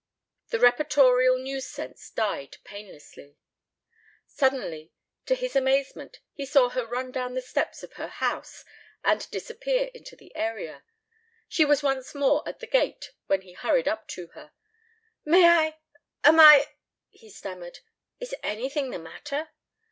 The reportorial news sense died painlessly. Suddenly, to his amazement, he saw her run down the steps of her house and disappear into the area. She was once more at the gate when he hurried up to her. "May I am I " he stammered. "Is anything the matter?"